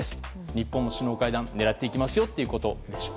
日本も首脳会談を狙っていきますということです。